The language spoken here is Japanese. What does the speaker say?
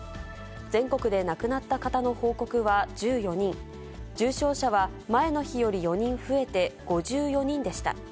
全国で亡くなった方の報告は、１４人、重症者は前の日より４人増えて５４人でした。